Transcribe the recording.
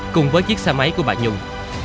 cùng với chiếc xe máy của bà nhung